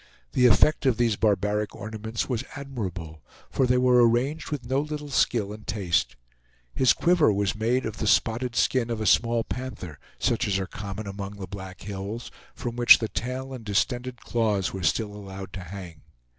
The effect of these barbaric ornaments was admirable, for they were arranged with no little skill and taste. His quiver was made of the spotted skin of a small panther, such as are common among the Black Hills, from which the tail and distended claws were still allowed to hang.